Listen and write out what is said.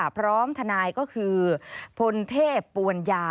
พร้อมทนายก็คือพลเทพปวนยา